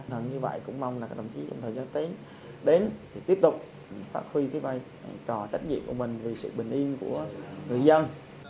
thần như vậy cũng mong là các đồng chí trong thời gian tiến đến thì tiếp tục phát huy cái vai trò trách nhiệm của mình vì sự bình yên của người dân